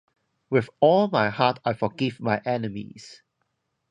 With all my heart I forgive my enemies!